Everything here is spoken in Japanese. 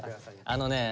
あのね